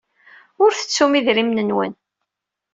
Ur tettum idrimen-nwen.